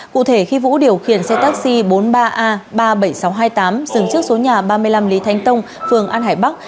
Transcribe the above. cụ thể khi vũ điều khiển xe taxi bốn mươi ba a ba mươi bảy nghìn sáu trăm hai mươi tám dừng trước số nhà ba mươi năm lý thanh tông phường an hải bắc